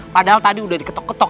padahal tadi udah diketok ketok